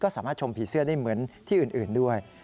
สามารถชมผีเสื้อได้เหมือนที่อื่นด้วย